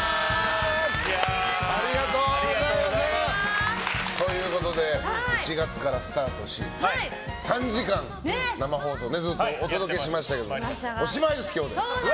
ありがとうございます！ということで１月からスタートし３時間生放送をずっとお届けしましたがおしまいです、今日で。